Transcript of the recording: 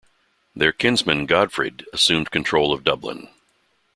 Their kinsman Gofraid assumed control of Dublin.